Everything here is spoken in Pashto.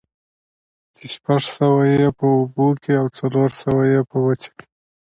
چې شپږ سوه ئې په اوبو كي او څلور سوه ئې په وچه كي